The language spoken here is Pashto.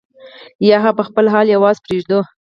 یا هغه په خپل حال یوازې پرېږدو.